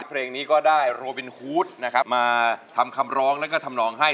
เพลงนี้ก็ได้โรวินท์ฮูดมาทำคำร้องและทำนองให้